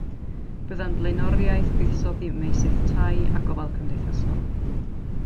Byddai'n blaenoriaeth buddsoddi ym meysydd tai a gofal cymdeithasol.